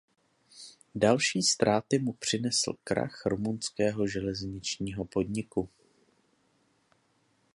Další ztráty mu přinesl krach rumunského železničního podniku.